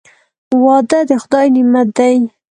• واده د خدای نعمت دی.